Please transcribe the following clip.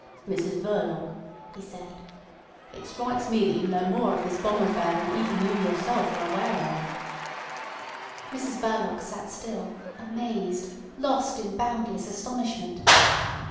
"Mrs Verloc," he said, "it strikes me that you know more of this bomb affair than even you yourself are aware of." Mrs Verloc sat still, amazed, lost in boundless astonishment.